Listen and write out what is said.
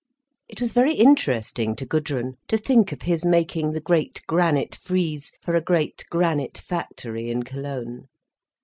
It was very interesting to Gudrun to think of his making the great granite frieze for a great granite factory in Cologne.